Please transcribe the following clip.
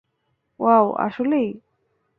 Wow, আসলেই!